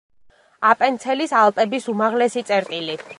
აპენცელის ალპების უმაღლესი წერტილი.